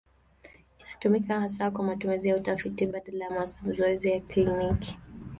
Inatumika hasa kwa matumizi ya utafiti badala ya mazoezi ya kliniki.